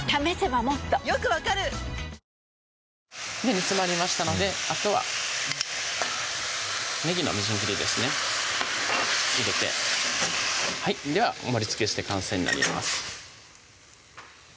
煮詰まりましたのであとはねぎのみじん切りですね入れてでは盛りつけして完成になります